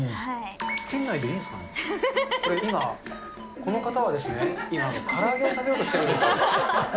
店内でいいですかね、今、この方はですね、今、から揚げを食べようとしてるんですよ。